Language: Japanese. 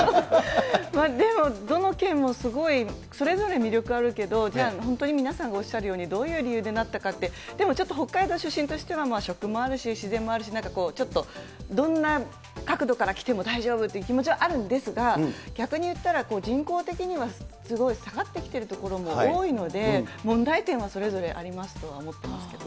でもどの県もすごいそれぞれ魅力があるけど、じゃあ、本当に皆さんがおっしゃるようにどういう理由でなったかって、でもちょっと北海道出身としては、食もあるし、自然もあるし、なんかこう、ちょっとどんな角度からきても大丈夫っていう気持ちもあるんですが、逆にいったら人口的には、すごい下がってきているところも多いので、問題点はそれぞれありますとは思ってますけど。